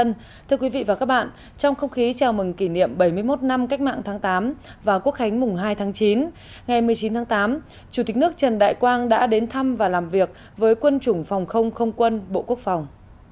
chủ tịch nước trần đại quang đã đến thăm và làm việc với quân chủng phòng không không quân bộ quốc phòng